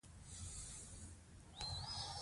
پلویان یې هغه یو خاکساره کس بولي.